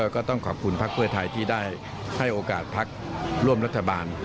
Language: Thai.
ก็ต้องขอบคุณพักเพื่อไทยที่ได้ให้โอกาสพักร่วมรัฐบาล